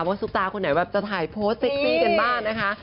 ซุปตาคนไหนแบบจะถ่ายโพสต์เซ็กซี่กันบ้างนะคะ